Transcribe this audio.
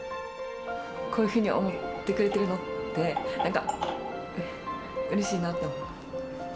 こういうふうに思ってくれてるのって、なんか、うれしいなって思う。